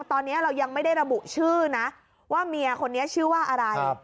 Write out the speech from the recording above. ตอนนี้เรายังไม่ได้ระบุชื่อนะว่าเมียคนนี้ชื่อว่าอะไร